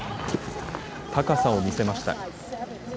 高さを見せました。